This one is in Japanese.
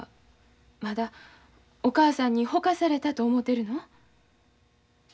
まだお母さんにほかされたと思うてるの？